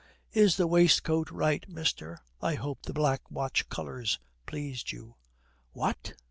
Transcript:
'Is the waistcoat right, mister? I hope the Black Watch colours pleased you.' 'Wha t!